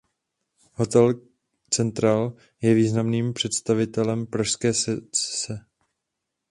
Hotel Central je významným představitelem pražské secese.